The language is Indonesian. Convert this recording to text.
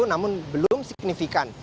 namun belum signifikan